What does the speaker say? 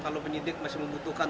kalau penyitik masih membutuhkan